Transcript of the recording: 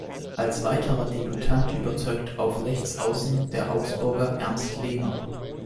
Als weiterer Debütant überzeugte auf Rechtsaußen der Augsburger Ernst Lehner.